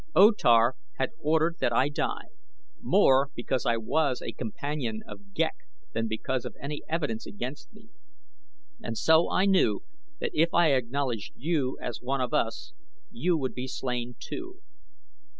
O Tar had ordered that I die, more because I was a companion of Ghek than because of any evidence against me, and so I knew that if I acknowledged you as one of us, you would be slain, too."